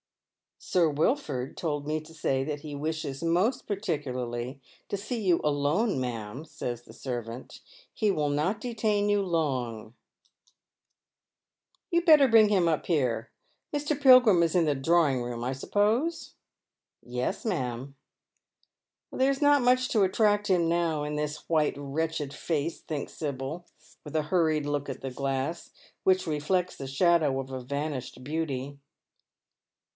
" Sir Wilford told me to say that he wishes most particularly to see you alone, ma'am," eays the servant ;" be will not detain yoo long." 264 Dead Men's Shoes. " You had better bring him up here. Mr. Pilgrim is in the drawing room, I suppose ?"" Yes, ma'am." " There is not much to attract him now in this white, wretched face," thinks Sibyl, with a hurried look at the glass, which reflects the shadow of a vanished beauty.